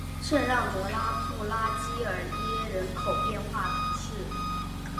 圣让德拉布拉基耶尔人口变化图示